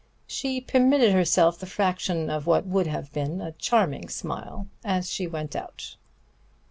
She permitted herself the fraction of what would have been a charming smile as she went out.